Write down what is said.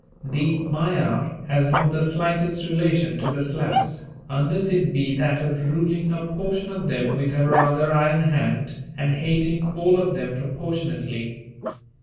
The Magyar has not the slightest relation to the Slavs, unless it be that of ruling a portion of them with a rather iron hand, and hating all of them proportionately.